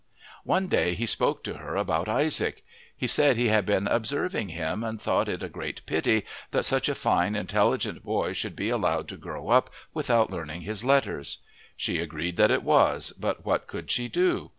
One day he spoke to her about Isaac; he said he had been observing him and thought it a great pity that such a fine, intelligent boy should be allowed to grow up without learning his letters. She agreed that it was, but what could she do?